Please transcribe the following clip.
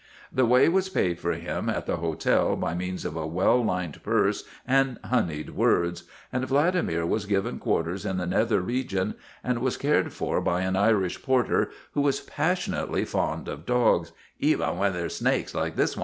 The way was paved for him at the THE BLOOD OF HIS FATHERS 179 hotel by means of a well lined purse and honeyed words, and Vladimir was given quarters in the nether regions and was cared for by an Irish porter who was passionately fond of dogs, " even whin they 're snakes like this wan."